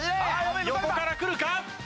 横から来るか？